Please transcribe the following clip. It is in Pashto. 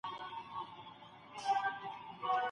ړوند سړی به له ږیري سره ډوډۍ او مڼه وا نه خلي.